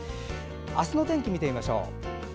明日の天気見てみましょう。